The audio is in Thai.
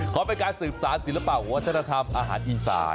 เขาเป็นการสืบสารศิลปะวัฒนธรรมอาหารอีสาน